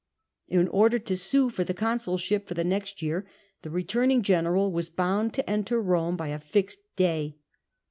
In order to sue for the consulship for the next year the returning general was bound to enter Rome by a fixed day.